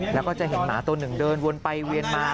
แล้วก็จะเห็นหมาตัวหนึ่งเดินวนไปเวียนมา